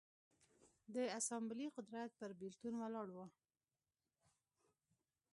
د اسامبلې قدرت پر بېلتون ولاړ و.